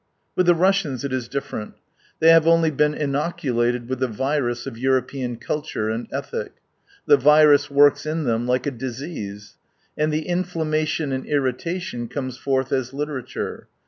With the Russians it is di^erent. They have only been inoculated with the virus of European culture and ethic. The virus works in them like a disease. And the inflammation and irritation comes forth as literature.